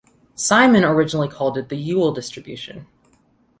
Simon originally called it the Yule distribution.